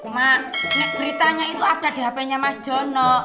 mak beritanya itu ada di hp nya mas jono